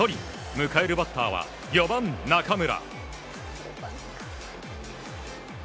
迎えるバッターは４番、中村。